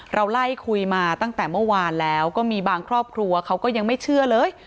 เราไล่คุยมาตั้งแต่เมื่อวานแล้วก็มีบางครอบครัวเขาก็ยังไม่เชื่อเลย